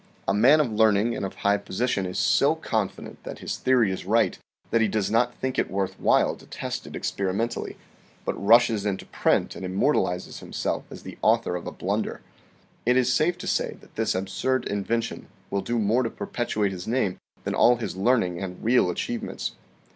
A man of learning and of high position is so confident that his theory is right that he does not think it worth while to test it experimentally, but rushes into print and immortalizes himself as the author of a blunder. It is safe to say that this absurd invention will do more to perpetuate his name than all his learning and real achievements.